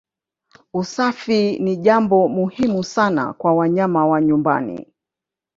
Usafi ni jambo muhimu sana kwa wanyama wa nyumbani.